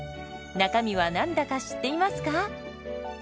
中身は何だか知っていますか？